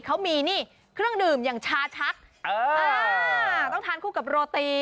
เขามีนี่เครื่องดื่มอย่างชาชักต้องทานคู่กับโรตี